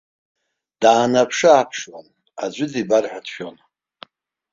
Даанаԥшы-ааԥшуан, аӡәы дибар ҳәа дшәон.